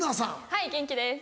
はい元気です。